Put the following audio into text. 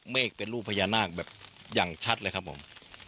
เมฆเป็นรูปพญานาคแบบอย่างชัดเลยครับผม